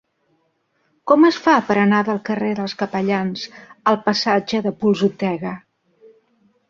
Com es fa per anar del carrer dels Capellans al passatge de Posoltega?